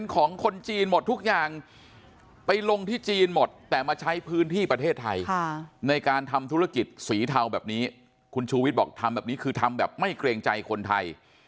คุณชูวิทย์บอกทำแบบนี้คือทำแบบไม่เกรงใจคนไทย